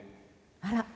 あら。